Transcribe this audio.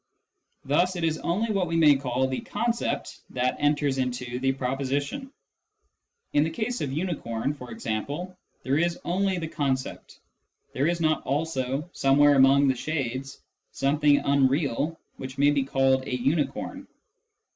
Thus it is only what we may call the concept that enters into the proposition. In the case oi " unicorn," for example, there is only the concept : there is not also, some where among the shades, something unreal which may be called " a unicorn."